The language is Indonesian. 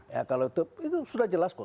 ya kalau itu sudah jelas kok